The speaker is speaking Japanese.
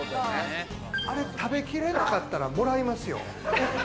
あれ食べきれなかったらもらいますよ。